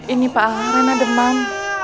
ini pak al rena demam